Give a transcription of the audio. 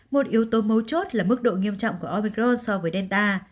một yếu tố mấu chốt là mức độ nghiêm trọng của opercros so với delta